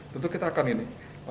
tentu kita akan ini